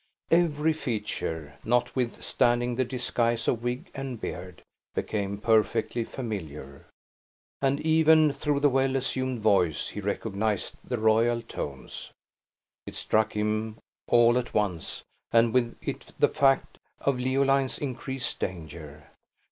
Every feature, notwithstanding the disguise of wig and beard, became perfectly familiar; and even through the well assumed voice, he recognized the royal tones. It struck him all at once, and with it the fact of Leoline's increased danger.